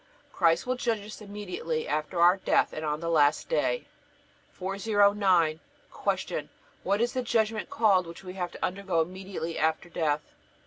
Christ will judge us immediately after our death, and on the last day. 409. Q. What is the judgment called which we have to undergo immediately after death?